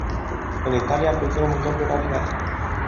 În Italia, preferă mâncărurile rafinate.